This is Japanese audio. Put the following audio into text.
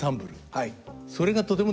はい。